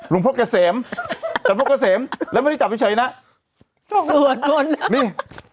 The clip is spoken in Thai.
ลุงพกก็เสมแต่พวกก็เสมแล้วไม่ได้จับพี่เฉยนะสวดบนน่ะนี่